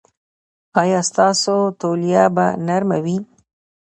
ایا ستاسو تولیه به نرمه وي؟